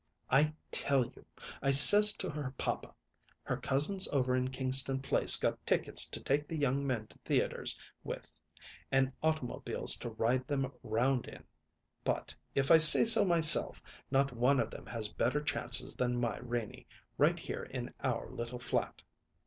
"'I tell you,' I says to her papa, 'her cousins over in Kingston Place got tickets to take the young men to theaters with and automobiles to ride them round in; but, if I say so myself, not one of them has better chances than my Renie, right here in our little flat.'"